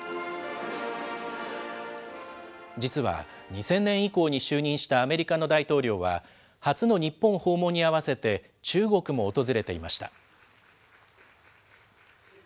実は２０００年以降に就任したアメリカの大統領は、初の日本訪問に合わせて中国も訪れていました。